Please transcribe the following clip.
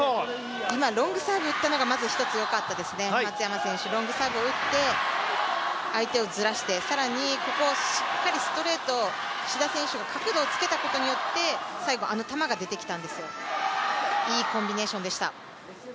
今、ロングサーブ打ったのがまず１つよかったですね、松山選手、ロングサーブを打って、相手をずらして更にここ、しっかりストレートを志田選手が角度をつけたことによって最後、あの球が出てきたんですよ、いいコンビネーションでした。